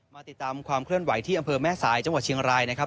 มาติดตามความเคลื่อนไหวที่อำเภอแม่สายจังหวัดเชียงรายนะครับ